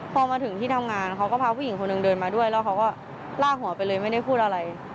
พอมาถึงที่ทำงานเขาก็พาผู้หญิงคนหนึ่งเดินมาด้วยแล้วเขาก็ลากหัวไปเลยไม่ได้พูดอะไร